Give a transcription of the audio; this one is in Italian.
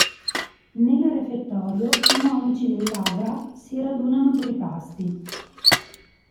Nel refettorio i monaci del Lavra si radunano per i pasti.